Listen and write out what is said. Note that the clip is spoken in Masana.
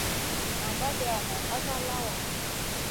Nan vaadia nen asa lawa.